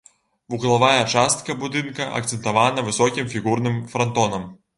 Вуглавая частка будынка акцэнтавана высокім фігурным франтонам.